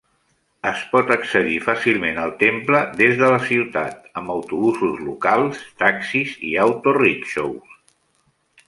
Es pot accedir fàcilment al temple des de la ciutat amb autobusos locals, taxis i auto-rickshaws.